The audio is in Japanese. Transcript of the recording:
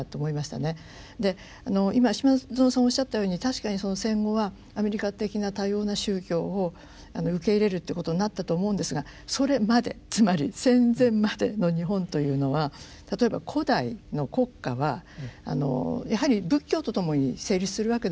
で今島薗さんおっしゃったように確かに戦後はアメリカ的な多様な宗教を受け入れるということになったと思うんですがそれまでつまり戦前までの日本というのは例えば古代の国家はやはり仏教とともに成立するわけですよ。